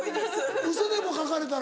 ウソでも書かれたら。